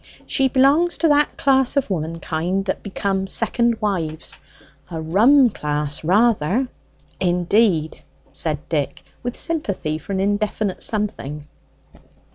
"She d'belong to that class of womankind that become second wives: a rum class rather." "Indeed," said Dick, with sympathy for an indefinite something.